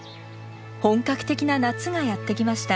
本格的な夏がやって来ました。